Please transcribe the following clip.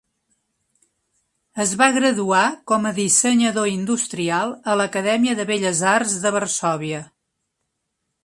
Es va graduar com a dissenyador industrial a l'Acadèmia de Belles Arts de Varsòvia.